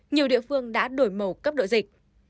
nhiều địa phương đã đổi màu cấp độ dịch